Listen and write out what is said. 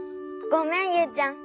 ごめんユウちゃん。